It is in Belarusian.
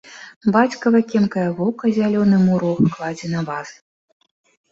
Бацькава кемкае вока зялёны мурог кладзе на вазы.